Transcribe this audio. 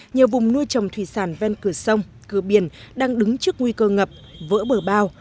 nhiều vùng nuôi trồng thủy sản ven cửa sông cửa biển đang đứng trước nguy cơ ngập vỡ bờ bao